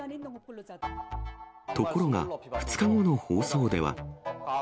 ところが、２日後の放送では。